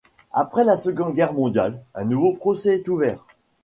Après la Seconde Guerre mondiale, un nouveau procès est ouvert.